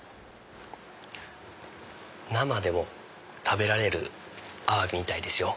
生でも食べられるアワビみたいですよ。